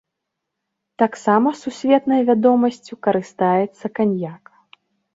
Таксама сусветнай вядомасцю карыстаецца каньяк.